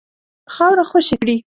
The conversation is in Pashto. خاوره خوشي کړي.